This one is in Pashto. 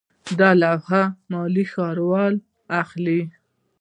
د لوحو مالیه ښاروالۍ اخلي